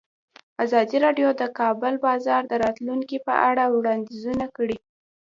ازادي راډیو د د کار بازار د راتلونکې په اړه وړاندوینې کړې.